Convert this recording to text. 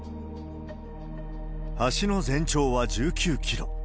橋の全長は１９キロ。